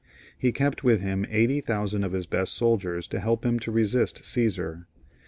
He kept with him eighty thousand of his best soldiers to help him to resist Caesar.